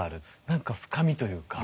何か深みというか。